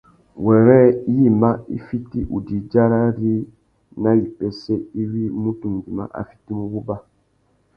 Wêrê yïmá i fiti udjï udjari nà wipêssê iwí mutu nguimá a fitimú wuba.